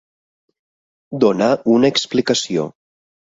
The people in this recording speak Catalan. Donar una explicació.